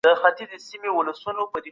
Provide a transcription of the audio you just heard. د بیړنیو حالاتو اداره تل چمتو وه.